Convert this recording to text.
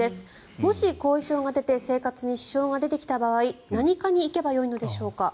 もし、後遺症が出て生活に支障が出てきた場合何科に行けばいいのでしょうか。